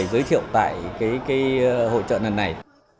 trưng bày giới thiệu tại hội trợ này